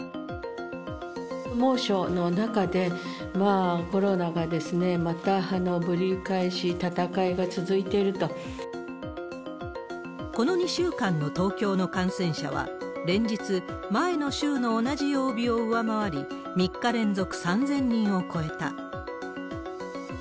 猛暑の中で、コロナがまたぶり返し、この２週間の東京の感染者は、連日、前の週の同じ曜日を上回り、３日連続３０００人を超えた。